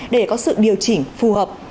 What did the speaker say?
để có sự điều chỉnh phù hợp